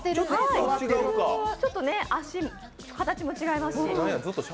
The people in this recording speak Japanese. ちょっと足の形も違いますし。